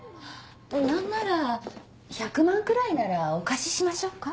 何なら１００万くらいならお貸ししましょうか？